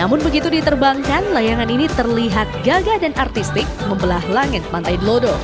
untuk diterbangkan layangan ini terlihat gagah dan artistik membelah langit pantai gelodo